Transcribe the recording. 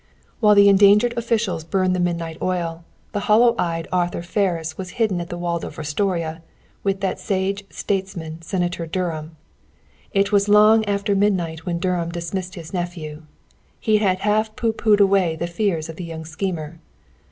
While the endangered officials burned the midnight oil, the hollow eyed Arthur Ferris was hidden at the Waldorf Astoria with that sage statesman Senator Dunham. It was long after midnight when Dunham dismissed his nephew. He had half pooh poohed away the fears of the young schemer.